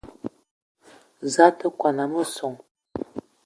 Za a te kwuan a messong?